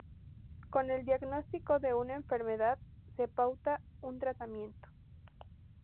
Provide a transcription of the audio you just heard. Con el diagnóstico de una enfermedad se pauta un tratamiento.